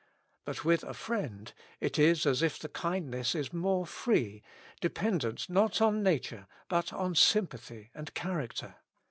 But with a friend it is as if the kindness is more free, dependent, not on nature, but on sym pathy and character.